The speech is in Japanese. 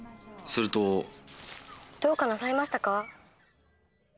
するとどうかなさいましたか？